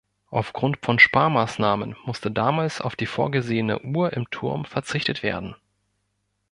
Auf Grund von Sparmaßnahmen musste damals auf die vorgesehene Uhr im Turm verzichtet werden.